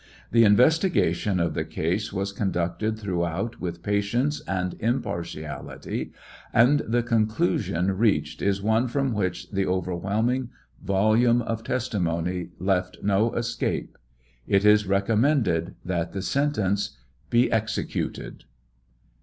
The investigation of the case was conducted throughout with patience and impartiality, and the conclusion reached is one from which the overwhelming volume of testimony left no escape. It is recommended that the sentence be executed.